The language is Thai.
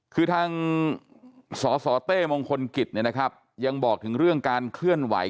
คือทางสอสอเต้มงคลกิจยังบอกถึงเรื่องการเคลื่อนไหว